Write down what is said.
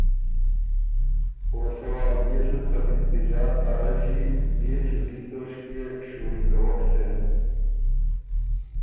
او سۀ وار بيې سُو ته انتظار ا رݫی بيې چوټي توݭکيې شُوري کوک سېن۔